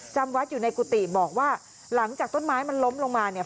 จำวัดอยู่ในกุฏิบอกว่าหลังจากต้นไม้มันล้มลงมาเนี่ย